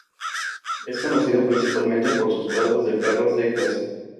Es conocido principalmente por sus cuadros de perros de caza.